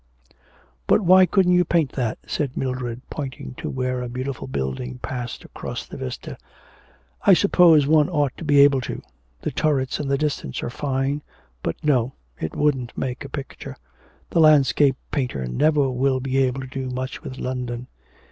'But why couldn't you paint that?' said Mildred, pointing to where a beautiful building passed across the vista. 'I suppose one ought to be able to. The turrets in the distance are fine. But no, it wouldn't make a picture. The landscape painter never will be able to do much with London.